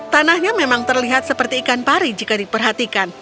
tanahnya memang terlihat seperti ikan pari jika diperhatikan